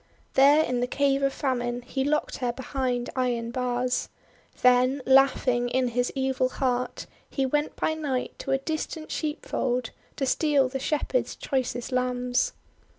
There in the Cave of Famine he locked her behind iron bars. Then, laughing in his evil heart, he went by night to a distant sheepf old to steal the Shepherds' choicest lambs.